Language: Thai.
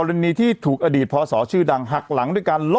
กรณีที่ถูกอดีตพอสอชื่อดัง